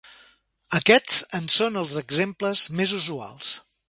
Aquests en són els exemples més usuals.